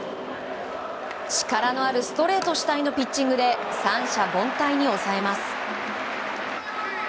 力のあるストレート主体のピッチングで三者凡退に抑えます。